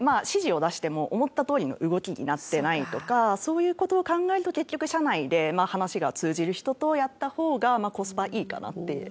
指示を出しても思ったとおりの動きになってないとかそういう事を考えると結局社内で話が通じる人とやった方がコスパいいかなって。